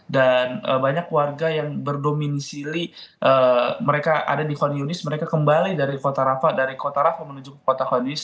dan banyak warga yang berdominisi mereka ada di kolonis mereka kembali dari kota rafa menuju kota kolonis